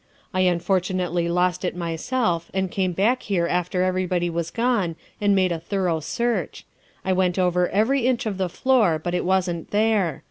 I unfor tunately lost it myself and came back here after every one was gone and made a thorough search. I went over every inch of the floor, but it wasn't there.